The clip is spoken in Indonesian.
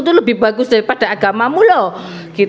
itu lebih bagus daripada agamamu loh